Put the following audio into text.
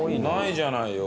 ないじゃない。